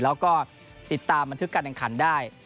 แล้วก็ติดตามบันทึกการแข่งขันได้